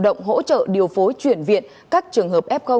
thu dung bệnh để chủ động hỗ trợ điều phối chuyển viện các trường hợp f